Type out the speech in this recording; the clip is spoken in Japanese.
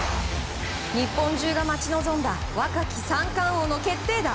日本中が待ち望んだ若き三冠王の決定打。